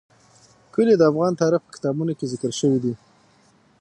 کلي د افغان تاریخ په کتابونو کې ذکر شوی دي.